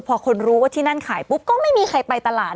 พอคนรู้ว่าที่นั่นขายปุ๊บก็ไม่มีใครไปตลาด